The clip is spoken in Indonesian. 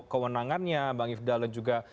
kewenangannya bang ifdal dan juga